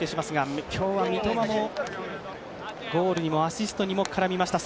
今日は三笘のゴールにも、アシストにも絡みました。